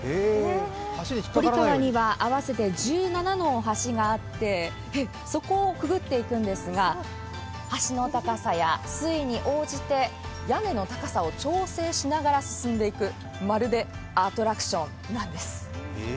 堀川には合わせて１７の橋があってそこをくぐっていくんですが、橋の高さや水位に応じて屋根の高さを調整しながら進んでいくまるでアトラクションなんです。